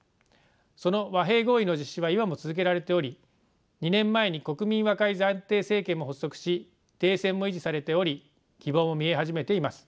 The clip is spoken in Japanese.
その和平合意の実施は今も続けられており２年前に国民和解暫定政権も発足し停戦も維持されており希望も見え始めています。